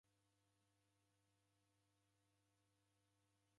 Kila kilambo charedwa putu